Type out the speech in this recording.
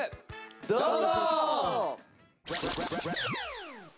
どうぞ！